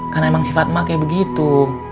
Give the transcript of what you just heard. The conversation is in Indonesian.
kan emang sifat maka begitu